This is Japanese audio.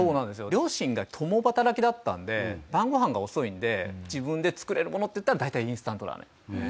両親が共働きだったんで晩ご飯が遅いんで自分で作れるものっていったら大体インスタントラーメン。